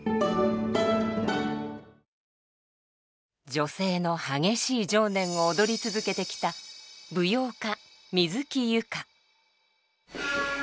女性の激しい情念を踊り続けてきた舞踊家水木佑歌。